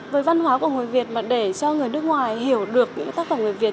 với văn hóa của người việt mà để cho người nước ngoài hiểu được những tác phẩm người việt